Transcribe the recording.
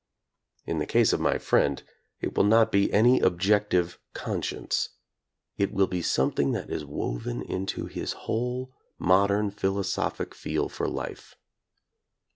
In the case of my friend, it will not be any objective "conscience." It will be something that is woven into his whole modern philosophic feel for life.